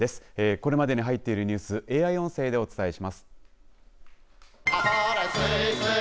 これまでに入っているニュースＡＩ音声でお伝えします。